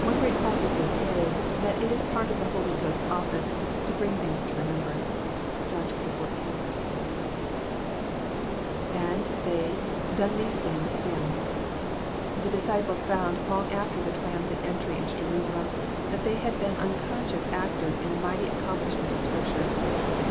One great cause of this is, that it is part t)f the Holy Ghost's ofBce to bring things to remembrance." (John xiv. 26.) JOHNy CHAP. XII. 329 l^And.,.ihey,.,done these thing8..,him.'] The disciples foDnd, \ long after the triamphant entry into Jeqisalem, that they had \ been nnconscious actors in a mighty accomplishment of Scrip ture.